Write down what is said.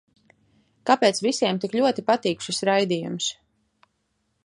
Kāpēc visiem tik ļoti patīk šis raidījums?